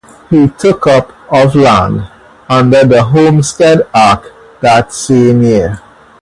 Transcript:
He took up of land under the homestead act that same year.